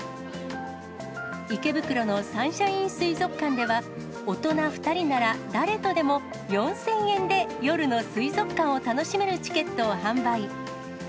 池袋のサンシャイン水族館では、大人２人なら誰とでも４０００円で、夜の水族館を楽しめるチケットを販売。